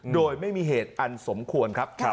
โดยไม่มีเหตุอันสมควรครับ